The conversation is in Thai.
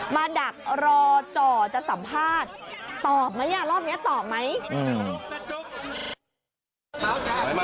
ดักรอจ่อจะสัมภาษณ์ตอบไหมรอบนี้ตอบไหม